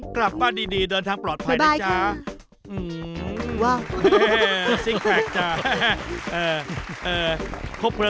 กลับบ้านดีเดินทางปลอดภัยนะจ๊ะ